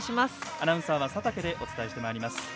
アナウンサーは佐竹でお伝えしてまいります。